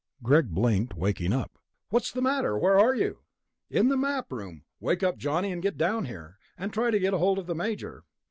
Greg blinked, waking up. "What's the matter? Where are you?" "In the Map Room. Wake Johnny up and get down here. And try to get hold of the Major."